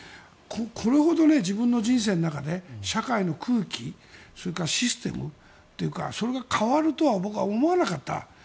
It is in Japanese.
これほど自分の人生の中で社会の空気、システムが変わるとは僕は思わなかった。